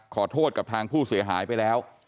ขอโทษกับทางผู้เสียหายไปแล้ว